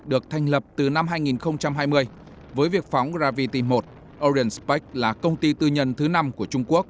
được thành lập từ năm hai nghìn hai mươi với việc phóng gravity một orient spec là công ty tư nhân thứ năm của trung quốc